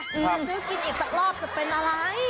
เงินซื้อกินอีกสักรอบจะเป็นอะไร